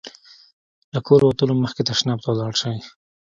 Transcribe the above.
له کوره وتلو مخکې تشناب ته ولاړ شئ.